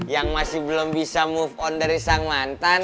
yang masih belum bisa move on dari sang mantan